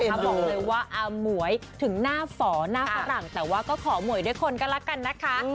บอกเลยว่าอ๋อหมวยถึงหน้าฝาหลังแต่ว่าก็ของหมวยกันเลยกัน